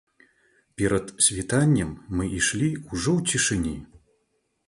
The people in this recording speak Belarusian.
Перад світаннем мы ішлі ўжо ў цішыні.